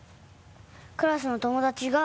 クラスの友達が。